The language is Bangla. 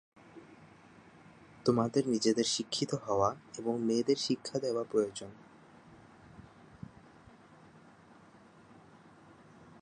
তোমাদের নিজেদের শিক্ষিত হওয়া এবং মেয়েদের শিক্ষা দেওয়া প্রয়োজন।